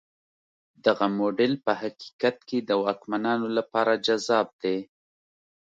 دغه موډل په حقیقت کې د واکمنانو لپاره جذاب دی.